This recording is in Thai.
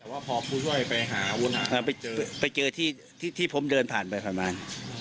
แต่ว่าพอผู้ช่วยไปหาวันนั้นไปเจอที่ที่ที่ผมเดินผ่านไปประมาณ